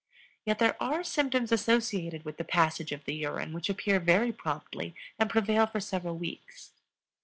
Yet there are symptoms associated with the passage of the urine which appear very promptly and prevail for several weeks.